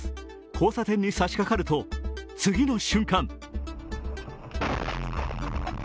交差点にさしかかると、次の瞬間